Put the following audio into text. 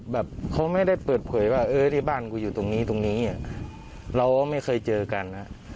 แบบเขาไม่ได้เปิดเผยว่าเออที่บ้านกูอยู่ตรงนี้ตรงนี้เราก็ไม่เคยเจอกันนะ